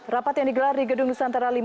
rapat yang digelar di gedung nusantara